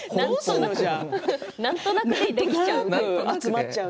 なんとなくできちゃう。